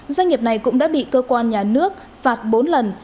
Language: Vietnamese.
doanh nghiệp này cũng đã bị cơ quan nhà nước phạt bốn lần